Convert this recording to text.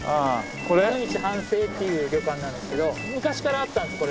おのみち帆聲っていう旅館なんですけど昔からあったんですこれ。